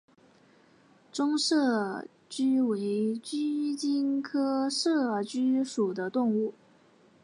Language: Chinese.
中麝鼩为鼩鼱科麝鼩属的动物。